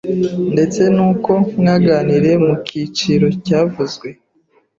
ndetse n’uko mwaganiriye mu kiciro cyavuzwe